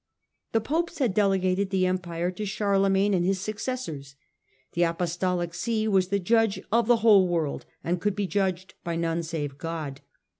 The Popes had delegated the Empire to Charle magne and his successors. The Apostolic See was the judge of the whole world and could be judged by none save God.